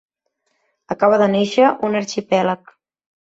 Acaba de néixer un arxipèlag.